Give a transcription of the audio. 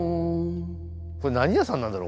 これ何屋さんなんだろ？